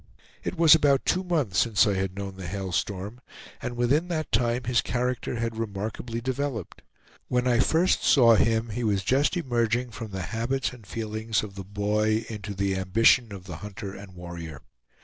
It was about two months since I had known the Hail Storm, and within that time his character had remarkably developed. When I first saw him, he was just emerging from the habits and feelings of the boy into the ambition of the hunter and warrior.